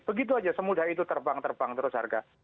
begitu saja semudah itu terbang terbang terus harga